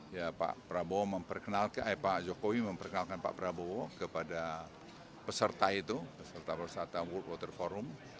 ya pak prabowo memperkenalkan pak jokowi memperkenalkan pak prabowo kepada peserta itu peserta peserta world water forum